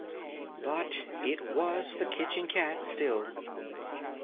But it was the kitchen cat still.